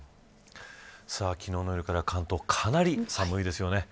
さあ昨日の夜から関東かなり寒いですよね。